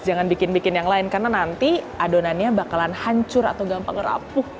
jangan bikin bikin yang lain karena nanti adonannya bakalan hancur atau gampang rapuh